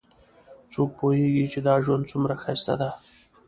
څوک پوهیږي چې دا ژوند څومره ښایسته ده